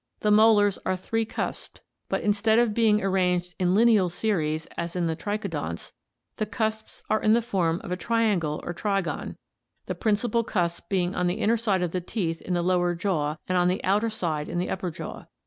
The molars are three cusped, but in stead of being arranged in lineal series, as in the triconodonts, the cusps are in the form of a triangle or trigon, the principal cusp being on the inner side of the teeth in the lower jaw and on the outer side in the upper jaw.